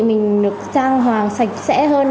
mình được trang hoàng sạch sẽ hơn